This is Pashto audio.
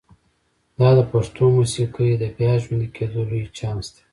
دا د پښتو موسیقۍ د بیا ژوندي کېدو لوی چانس دی.